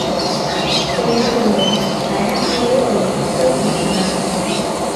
Шоям ойлет: Тайрам мый огыл, тый пуштынат.